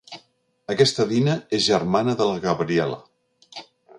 Aquesta Dina és germana de la Gabriela.